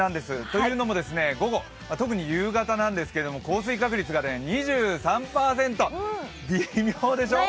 というのも午後、特に夕方ですけれども、降水確率が２３％微妙でしょう？